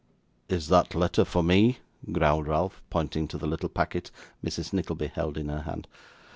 'Is that letter for me?' growled Ralph, pointing to the little packet Mrs. Nickleby held in her hand.